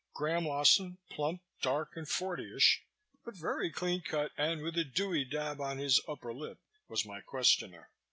Graham Wasson, plump, dark and fortyish, but very clean cut and with a Dewey dab on his upper lip, was my questioner.